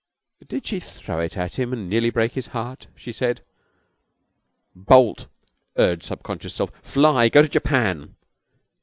'Did she throw it at him and nearly break his heart!' she said. 'Bolt!' urged Subconscious Self. 'Fly! Go to Japan!'